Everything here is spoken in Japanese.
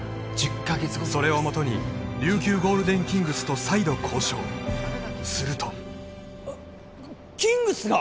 それをもとに琉球ゴールデンキングスと再度交渉するとキングスが！？